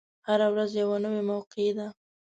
هره ورځ یوه نوی موقع ده.